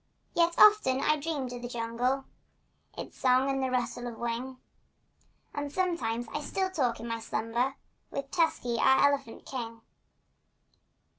Yet often I dreamed of the jungle— Its song and the rustle of wing— And sometimes still talked in my slumber With Tusky, our elephant king.